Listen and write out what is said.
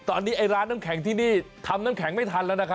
ตอนนี้ไอ้ร้านน้ำแข็งที่นี่ทำน้ำแข็งไม่ทันแล้วนะคะ